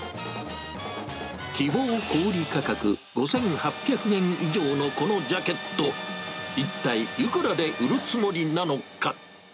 希望小売り価格５８００円以上のこのジャケット、一体いくらで売るつもりなのか。